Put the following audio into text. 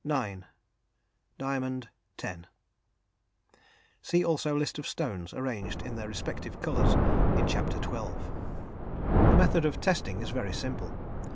9 Diamond 10 (See also list of stones, arranged in their respective colours, in Chapter XII.) The method of testing is very simple.